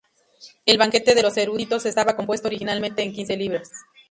El "Banquete de los eruditos" estaba compuesto originalmente en quince libros.